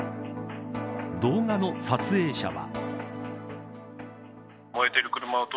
動画の撮影者は。